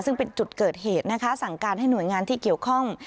ซึ่งเป็นจุดเกิดเหตุนะคะสั่งการให้หน่วยงานที่เกี่ยวข้อง